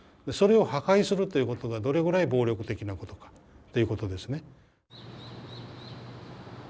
それを破壊するということがどれぐらい暴力的なことかっていうことですね。